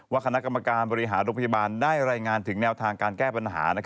คณะกรรมการบริหารโรงพยาบาลได้รายงานถึงแนวทางการแก้ปัญหา